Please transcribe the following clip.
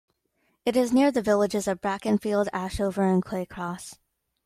It is near the villages of Brackenfield, Ashover and Clay Cross.